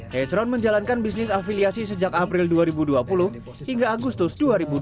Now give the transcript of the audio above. hesron menjalankan bisnis afiliasi sejak april dua ribu dua puluh hingga agustus dua ribu dua puluh